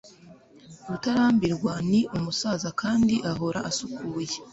rutarambirwa ni umusaza kandi ahora asukuye